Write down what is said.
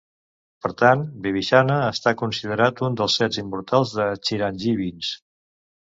Per tant, Vibhishana està considerat un dels set immortals o Chiranjeevins.